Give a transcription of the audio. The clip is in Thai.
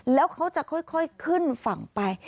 แล้วเขาจะค่อยขึ้นฝั่งไป